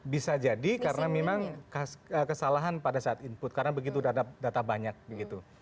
bisa jadi karena memang kesalahan pada saat input karena begitu ada data banyak begitu